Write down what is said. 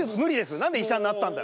何で医者になったんだよ。